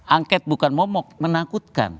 angket bukan momok menakutkan